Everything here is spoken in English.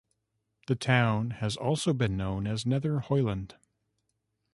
The town has also been known as "Nether Hoyland".